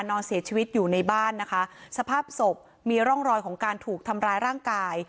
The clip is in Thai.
นอนเสียชีวิตอยู่ในบ้านนะคะสภาพศพมีร่องรอยของการถูกทำร้ายร่างกาย